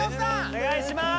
お願いします